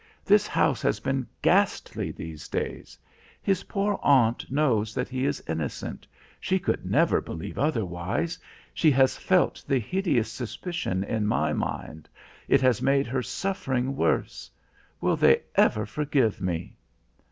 This house has been ghastly these days. His poor aunt knows that he is innocent she could never believe otherwise she has felt the hideous suspicion in my mind it has made her suffering worse will they ever forgive me?"